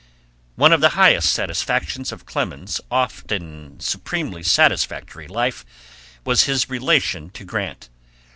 One of the highest satisfactions of Clemens's often supremely satisfactory life was his relation to Grant.